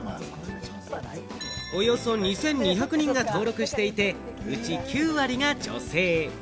およそ２２００人が登録していて、うち９割が女性。